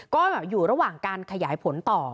ก็อยู่ระหว่างการขยายผลต่อ